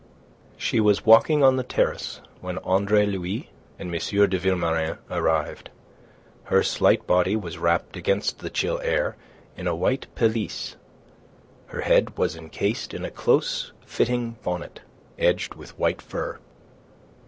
She was walking on the terrace when Andre Louis and M. de Vilmorin arrived. Her slight body was wrapped against the chill air in a white pelisse; her head was encased in a close fitting bonnet, edged with white fur.